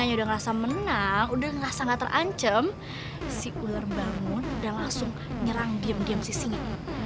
udah ngerasa gak terancem si ular bangun dan langsung nyerang diam diam si singa